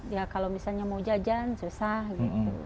ya kalau misalnya mau jajan susah gitu